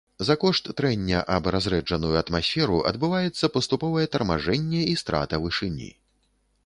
За кошт трэння аб разрэджаную атмасферу адбываецца паступовае тармажэнне і страта вышыні.